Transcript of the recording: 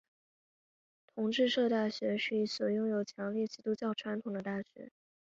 同志社大学是一所拥有强烈基督教传统的大学。